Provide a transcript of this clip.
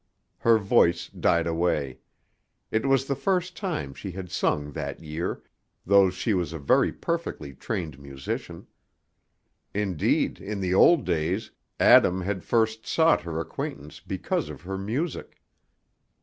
Her voice died away; it was the first time she had sung that year, though she was a very perfectly trained musician. Indeed in the old days, Adam had first sought her acquaintance because of her music.